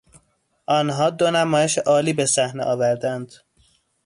آنها دو نمایش عالی به صحنه آوردهاند.